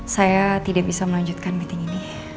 saya tidak bisa melanjutkan meeting ini